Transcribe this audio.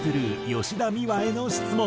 吉田美和への質問。